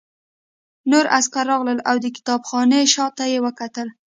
نور عسکر راغلل او د کتابخانې شاته یې وکتل